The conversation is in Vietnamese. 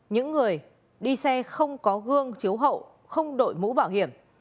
những người đi xe không có gương chiếu hậu không đội mũ bảo hiểm